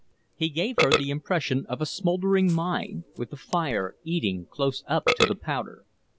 He gave her the impression of a smouldering mine with the fire eating close up to the powder.